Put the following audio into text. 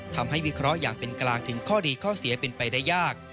วิเคราะห์อย่างเป็นกลางถึงข้อดีข้อเสียเป็นไปได้ยาก